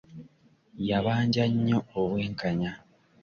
Yabanja nnyo obwenkanya.